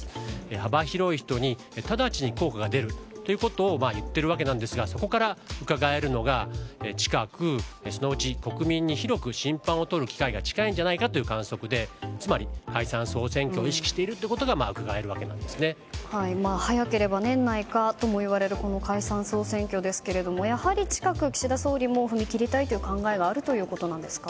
幅広い人に直ちに効果が出るということを言っているわけなんですがそこからうかがえるのは近く、そのうち国民に広く審判をとる機会が近いんじゃないかという観測でつまり、解散・総選挙を意識していることが早ければ年内かともいわれる解散・総選挙ですけどもやはり、近く岸田総理も踏み切りたい考えがあるということなんですか？